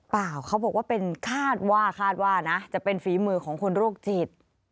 เขาบอกว่าเป็นคาดว่าคาดว่านะจะเป็นฝีมือของคนโรคจิต